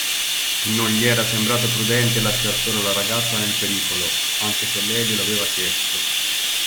Non gli era sembrato prudente lasciar sola la ragazza nel pericolo, anche se lei glielo aveva chiesto.